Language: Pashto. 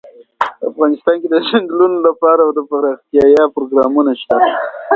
افغانستان کې د ځنګلونه لپاره دپرمختیا پروګرامونه شته.